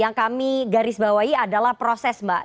yang kami garisbawahi adalah proses mbak